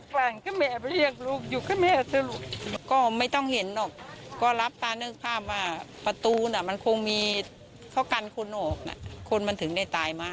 เพราะว่าไม่ได้การค้นเข้า